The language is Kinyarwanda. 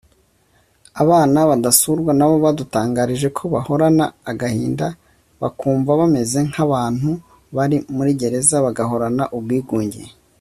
Abana badasurwa nabo badutangarije ko bahorana agahinda bakumva bameze nk’abantu bari muri gereza bagahorana ubwigunge